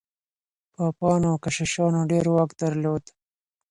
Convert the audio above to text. پاپانو او کشیشانو ډېر واک درلود.